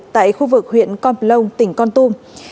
tại khu vực huyện con plông tỉnh con tum